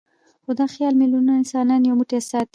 خو دا خیال میلیونونه انسانان یو موټی ساتي.